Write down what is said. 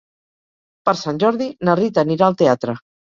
Per Sant Jordi na Rita anirà al teatre.